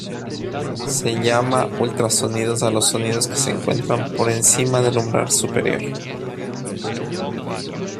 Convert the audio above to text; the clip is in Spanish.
Se llama ultrasonidos a los sonidos que se encuentran por encima del umbral superior.